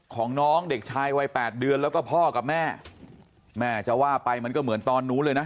ของน้องเด็กชายวัยแปดเดือนแล้วก็พ่อกับแม่แม่จะว่าไปมันก็เหมือนตอนนู้นเลยนะ